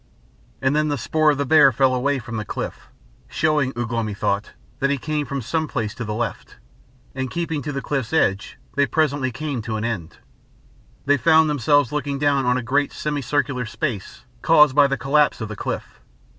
And then the spoor of the bear fell away from the cliff, showing, Ugh lomi thought, that he came from some place to the left, and keeping to the cliff's edge, they presently came to an end. They found themselves looking down on a great semi circular space caused by the collapse of the cliff.